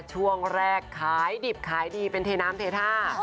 ช่วงแรกขายดิบขายดีเป็นเทน้ำเทท่า